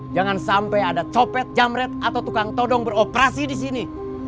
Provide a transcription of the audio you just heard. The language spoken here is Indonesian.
jangan sampai ada copet jamret atau tukang todong beroperasi di sini